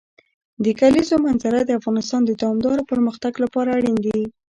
د کلیزو منظره د افغانستان د دوامداره پرمختګ لپاره اړین دي.